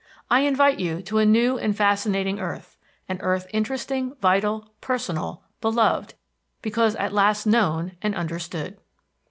I invite you to a new and fascinating earth, an earth interesting, vital, personal, beloved, because at last known and understood!